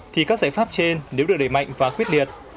thì các giải pháp trên nếu được đẩy mạnh và quyết liệt